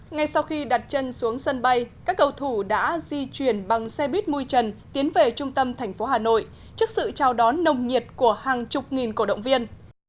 ngay sau khi đặt chân xuống sân bay các cầu thủ đã di chuyển bằng xe buýt mui trần tiến về trung tâm thành phố hà nội trước sự chào đón nồng nhiệt của hàng chục nghìn cổ động viên